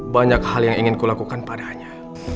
banyak hal yang ingin kulakukan padanya